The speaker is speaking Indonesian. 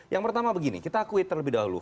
yang pertama begini kita akui terlebih dahulu